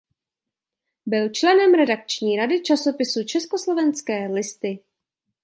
Byl členem redakční rady časopisu "Československé listy".